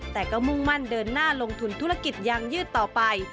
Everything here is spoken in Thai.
แต่ก็มุ่งมั่นเดินหน้าลงทุนธุรกิจยางยืดต่อไป